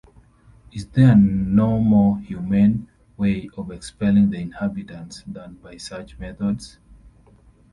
Is there no more humane way of expelling the inhabitants than by such methods?